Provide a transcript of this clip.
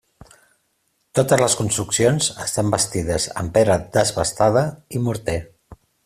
Totes les construccions estan bastides amb pedra desbastada i morter.